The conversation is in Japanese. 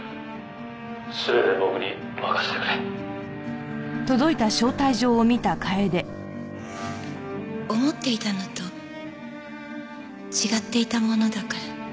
全て僕に任せてくれ」思っていたのと違っていたものだから。